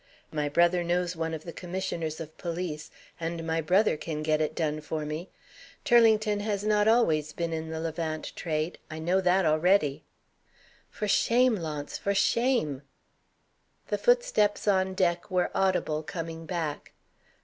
My brother knows one of the Commissioners of Police, and my brother can get it done for me. Turlington has not always been in the Levant trade I know that already." "For shame, Launce! for shame!" The footsteps on deck were audible coming back.